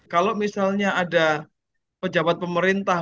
kalau misalnya ada pejabat pemerintah